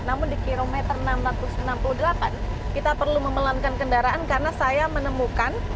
namun di kilometer enam ratus enam puluh delapan kita perlu memelankan kendaraan karena saya menemukan